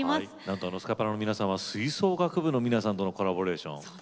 なんとスカパラの皆さんは吹奏楽部の皆さんとのコラボレーション。